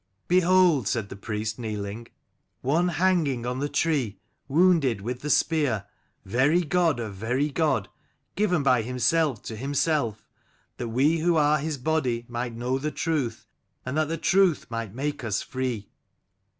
"Behold," said the priest kneeling, "One hanging on the tree, wounded with the spear, very God of very God: given by himself to himself, that we who are his body might know the truth, and that the truth might make us free."